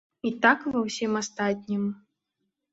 І так ва ўсім астатнім.